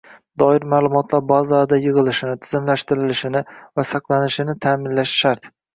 doir ma’lumotlar bazalarida yig‘ilishini, tizimlashtirilishini va saqlanishini ta’minlashi shart.